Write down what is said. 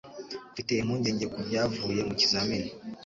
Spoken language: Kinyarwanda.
Mfite impungenge kubyavuye mu kizamini.